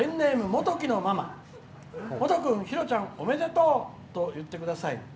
「もと君、ひろちゃんおめでとうと言ってください」。